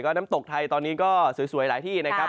น้ำตกไทยตอนนี้ก็สวยหลายที่นะครับ